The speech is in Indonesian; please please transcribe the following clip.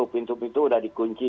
pintu pintu udah dikunci